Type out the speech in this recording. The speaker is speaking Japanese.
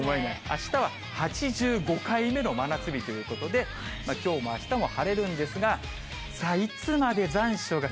あしたは８５回目の真夏日ということで、きょうもあしたも晴れるんですが、さあ、これは。